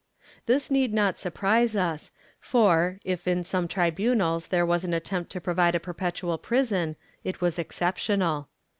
This need not surprise us for, if in some tribunals there was an attempt to provide a perpetual prison, it was exceptional.